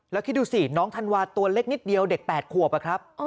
แล้วคิดดูสิน้องธันวาตัวเล็กนิดเดียวเด็ก๘ขวบอะครับ